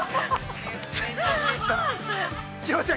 ◆千穂ちゃん